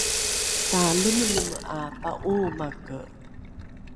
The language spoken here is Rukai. talemeleme ’a pa’oomake